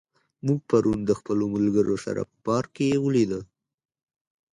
موږ پرون د خپلو ملګرو سره په پارک کې ولیدل.